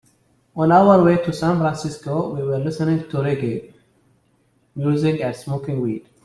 On our way to San Francisco, we were listening to reggae music and smoking weed.